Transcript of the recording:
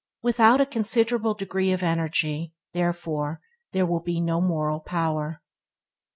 Without a considerable degree of energy, therefore, there will be no moral power.